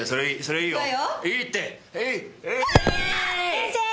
先生。